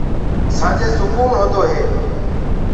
سآنجي سُڪون هوندو هي۔